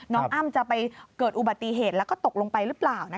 อ้ำจะไปเกิดอุบัติเหตุแล้วก็ตกลงไปหรือเปล่า